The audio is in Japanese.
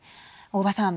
大庭さん。